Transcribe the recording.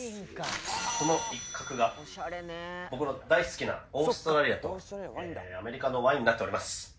この一角が僕の大好きなオーストラリアとアメリカのワインになっております。